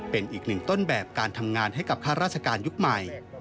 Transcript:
เป็นอีกหนึ่งต้นแบบการทำงานให้กับข้าราชการยุคใหม่